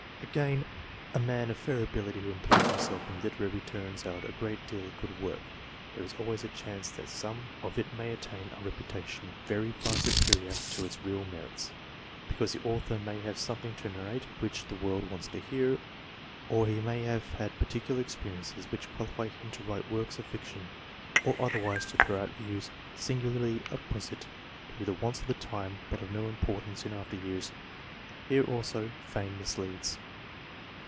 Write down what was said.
Again : a man of fair ability who employs himself in literature turns out a great deal of good work. There is always a chance that some of it may attain a reputation very far superior to its real merits, because the author may have something to narrate which the world wants to hear ; or he may have had particular experiences which qualify him to write works of fiction, or otherwise to throw out LITERARY MEN 161 views, singularly apposite to the wants of the time but of no importance in after years. Here, also, fame misleads.